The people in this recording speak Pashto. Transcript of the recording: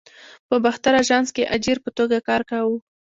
په باختر آژانس کې اجیر په توګه کار کاوه.